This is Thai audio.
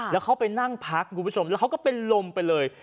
แล้วเขาไปนั่งพักคุณผู้ชมแล้วเขาก็เป็นลมไปเลย